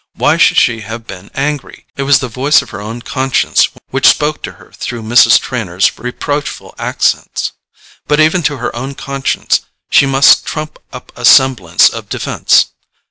Why should she have been angry? It was the voice of her own conscience which spoke to her through Mrs. Trenor's reproachful accents. But even to her own conscience she must trump up a semblance of defence.